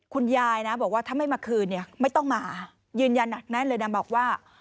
คุณยายนะบอกว่าถ้าไม่มาคืนเนี่ยไม่ต้องมายืนยันหนักแน่นเลยนะบอกว่า